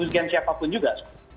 bukan siapapun juga